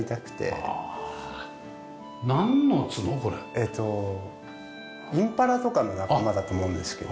えーとインパラとかの仲間だと思うんですけど。